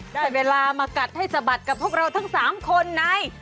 ได้เวลามากัดให้สะบัดกับพวกเราทั้ง๓คนใน